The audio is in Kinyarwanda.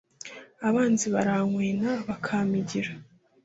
abanzi barankwena, bakampigira